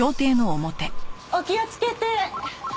お気をつけて。